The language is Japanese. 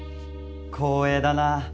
光栄だなぁ。